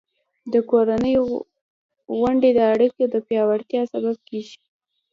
د کورنۍ غونډې د اړیکو د پیاوړتیا سبب کېږي.